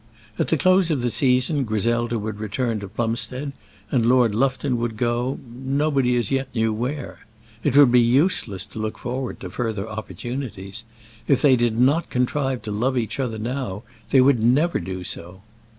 At the close of the season Griselda would return to Plumstead, and Lord Lufton would go nobody as yet knew where. It would be useless to look forward to further opportunities. If they did not contrive to love each other now, they would never do so.